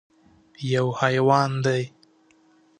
_يو حيوان دی.